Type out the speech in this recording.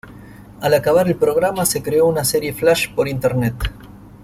Al acabar el programa se creó una serie flash por Internet.